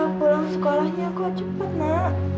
kamu kenapa pulang sekolahnya kok cepat mak